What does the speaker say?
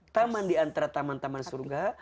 taman diantara taman taman surga